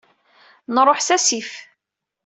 Nruḥ s asif.